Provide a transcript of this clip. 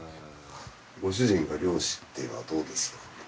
ご主人が漁師っていうのはどうですか？